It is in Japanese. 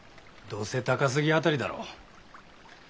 どうせ高杉あたりだろう。